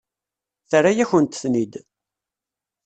Terra-yakent-ten-id.